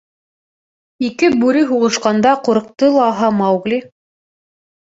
Ике бүре һуғышҡанда ҡурҡты лаһа Маугли.